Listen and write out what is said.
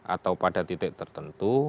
atau pada titik tertentu